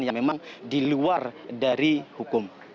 yang memang di luar dari hukum